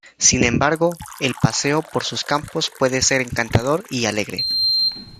Sin embargo el paseo por sus campos puede ser encantador y alegre.